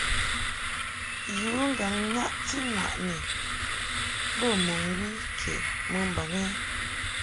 Yu ŋgàŋ-naʼti-ŋwàʼni bə mɨŋgwi kɛ mɨmbaŋ ɛ ?